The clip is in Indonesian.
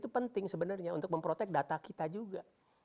itu penting sebenarnya untuk memprotek data kita juga